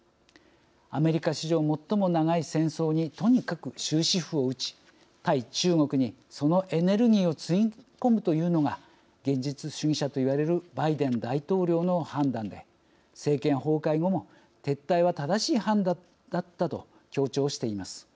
アメリカ史上最も長い戦争にとにかく終止符を打ち対中国にそのエネルギーをつぎ込むというのが現実主義者と言われるバイデン大統領の判断で政権崩壊後も「撤退は正しい判断だった」と強調しています。